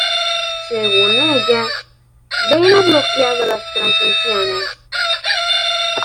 Según ella, Ben ha bloqueado las transmisiones.